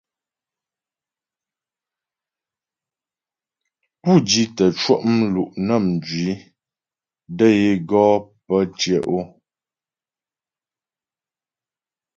Pú di tə́ cwɔ' mlu' nə́ mjwi də é gɔ pə́ tyɛ' o.